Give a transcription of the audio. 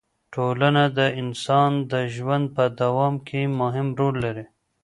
ټولنه د انسان د ژوند په دوام کې مهم رول لري.